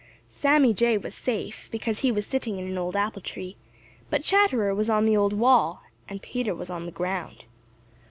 Sammy Jay was safe, because he was sitting in an old apple tree, but Chatterer was on the old wall, and Peter was on the ground.